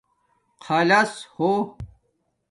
خلَص ہݸ